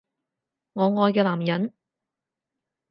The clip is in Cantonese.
我愛嘅男人